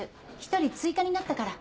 １人追加になったから。